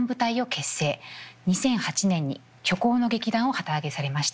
２００８年に「虚構の劇団」を旗揚げされました。